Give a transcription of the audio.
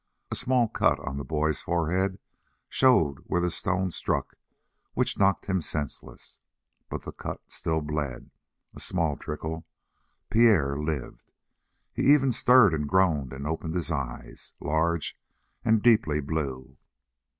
A small cut on the boy's forehead showed where the stone struck which knocked him senseless, but the cut still bled a small trickle Pierre lived. He even stirred and groaned and opened his eyes, large and deeply blue.